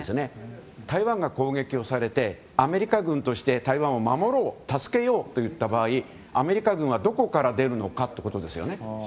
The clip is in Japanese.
台湾が攻撃されてアメリカ軍として台湾を守ろう助けようといった場合アメリカ軍はどこから出るのかということですよね。